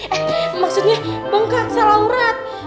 eh maksudnya pengkak salah urat